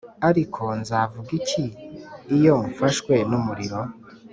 ariko nzavuga iki iyo mfashwe n'umuriro